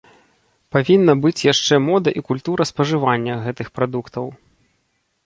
Павінна быць яшчэ мода і культура спажывання гэтых прадуктаў.